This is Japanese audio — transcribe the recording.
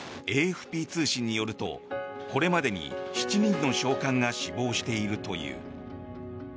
ＡＦＰ通信によるとこれまでに７人の将官が死亡しているという。